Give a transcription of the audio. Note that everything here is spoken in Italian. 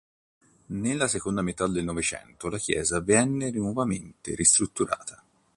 Nella seconda metà del Novecento la chiesa venne nuovamente ristrutturata.